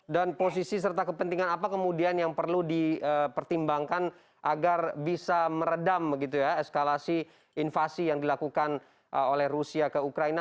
posisi serta kepentingan apa kemudian yang perlu dipertimbangkan agar bisa meredam eskalasi invasi yang dilakukan oleh rusia ke ukraina